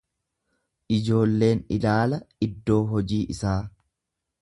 Ijoolleen ilaala iddoo hojii isaa.